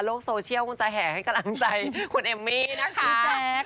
โลกโซเชียลคงจะแห่ให้กำลังใจคุณเอมมี่นะคะ